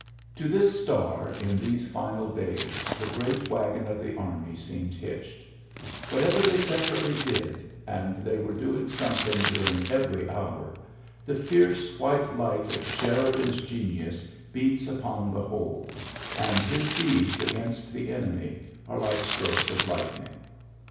iJOrary ^oii 118 ULYSSES S. GEANT To this star in these final days the grea wagon of the army seemed hitched Whatever they separately did, — anc they were doing something during e veri hour, — the fierce white light of Sheri dan's genius beats upon the whole ; an( his deeds against the enemy are lik< strokes of lightning.